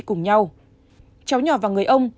cùng nhau cháu nhỏ và người ông